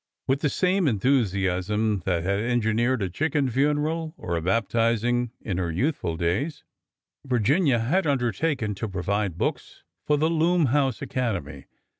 With the same enthusiasm that had engineered a chicken funeral or a baptizing in her youthful days, Vir ginia had undertaken to provide books for the Loom house Academy.